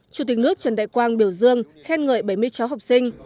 chủ tịch nước trần đại quang biểu dương khen ngợi bảy mươi cháu học sinh